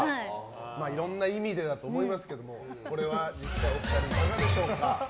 いろんな意味でだと思いますがこれはお二人いかがでしょうか。